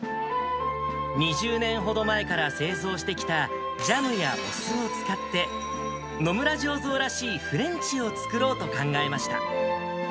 ２０年ほど前から製造してきたジャムやお酢を使って、野村醸造らしいフレンチを作ろうと考えました。